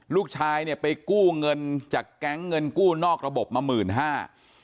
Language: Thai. ลูกชายเนี่ยไปกู้เงินจากแก๊งเงินกู้นอกระบบมาหมื่นห้า